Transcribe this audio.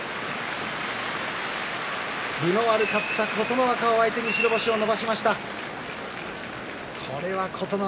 分の悪かった琴ノ若を相手に白星を伸ばしました。